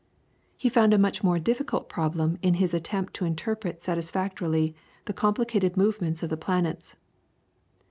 He found a much more difficult problem in his attempt to interpret satisfactorily the complicated movements of the planets.